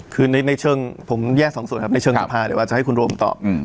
คือในเชิงผมแยกสองส่วนครับในเชิงสภาเดี๋ยวว่าจะให้คุณรวมตอบ